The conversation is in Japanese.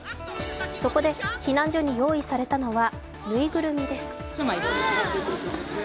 そこで避難所に用意されたのはぬいぐるみです。